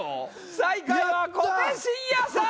最下位は小手伸也さん。